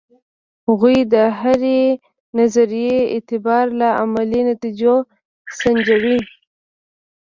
هغوی د هرې نظریې اعتبار له عملي نتیجو سنجوي.